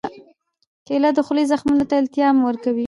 کېله د خولې زخمونو ته التیام ورکوي.